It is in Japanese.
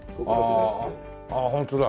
ああホントだ。